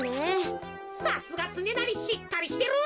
さすがつねなりしっかりしてる！